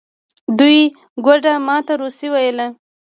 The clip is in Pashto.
دوی ګوډه ما ته روسي ویله.